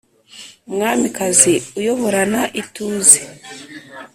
umwamikazi uyoborana ituze